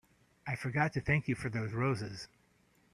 I forgot to thank you for those roses.